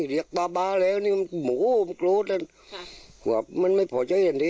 เลียกปราบานี้หัวมันไม่ช้าแห่งนี้